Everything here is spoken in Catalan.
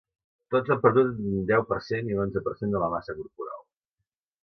Tots han perdut entre un deu per cent i un onze per cent de la massa corporal.